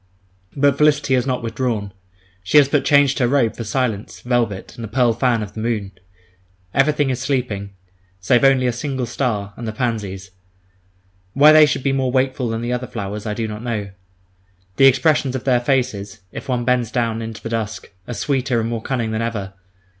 But Felicity has not withdrawn; she has but changed her robe for silence, velvet, and the pearl fan of the moon. Everything is sleeping, save only a single star, and the pansies. Why they should be more wakeful than the other flowers, I do not know. The expressions of their faces, if one bends down into the dusk, are sweeter and more cunning than ever.